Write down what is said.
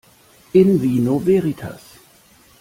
In vino veritas.